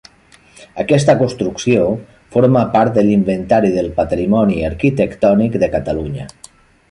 Aquesta construcció forma part de l'Inventari del Patrimoni Arquitectònic de Catalunya.